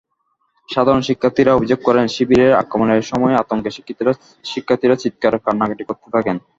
সাধারণ শিক্ষার্থীরা অভিযোগ করেন, শিবিরের আক্রমণের সময় আতঙ্কে শিক্ষার্থীরা চিৎকার-কান্নাকাটি করতে থাকেন।